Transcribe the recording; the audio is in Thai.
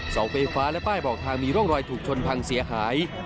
เสาไฟฟ้าและป้ายบอกทางมีร่องรอยถูกชนพังเสียหาย